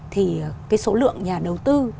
thì cái số lượng nhà đầu tư